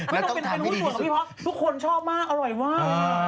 เพราะทุกคนชอบมากอร่อยมาก